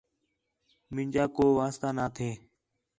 مینجا کو واسطہ نا تھے